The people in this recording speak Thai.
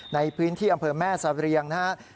ในพื้นที่อำเภอแม่สะเรียงนะครับ